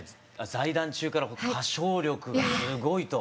在団中から歌唱力がすごいと。